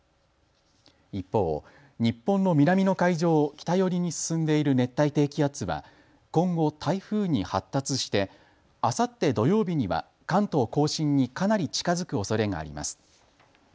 一方、日本の南の海上を北寄りに進んでいる熱帯低気圧は今後、台風に発達してあさって土曜日には関東甲信にかなり近づくおそれがあります。